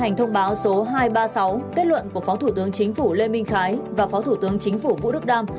hành thông báo số hai trăm ba mươi sáu kết luận của phó thủ tướng chính phủ lê minh khái và phó thủ tướng chính phủ vũ đức đam